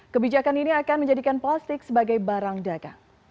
kebijakan ini akan menjadikan plastik sebagai barang dagang